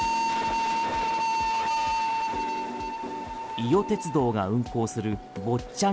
伊予鉄道が運行する坊ちゃん